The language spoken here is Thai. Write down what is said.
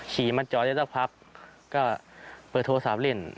ขี่มาจอดได้สักพักก็เปิดโทรศัพท์เล่น